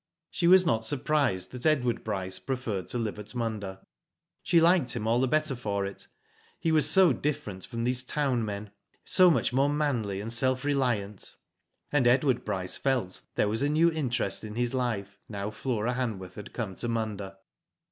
She was not surprised that Edward Bryce preferred to live at Munda. She liked him all the better for it. He was so different from these town men. So much more manly and self reliant. And Edward Bryce felt there was a new interest in his life now Flora Hanworth had come to Munda.